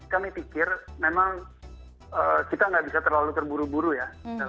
kami pikir memang kita nggak bisa terlalu terburu buru ya